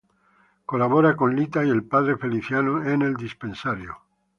Colabora con Lita y el padre Feliciano en el dispensario.